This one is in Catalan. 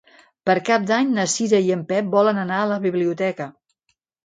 Per Cap d'Any na Cira i en Pep volen anar a la biblioteca.